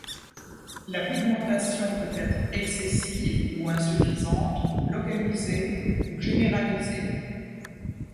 La pigmentation peut être excessive ou insuffisante, localisée ou généralisée.